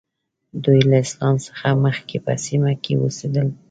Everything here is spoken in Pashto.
دوی له اسلام څخه مخکې په سیمه کې اوسېدل.